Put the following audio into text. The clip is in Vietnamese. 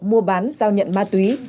mua bán giao nhận ma túy